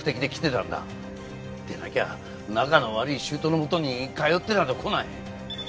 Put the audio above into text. でなきゃ仲の悪い姑のもとに通ってなどこない。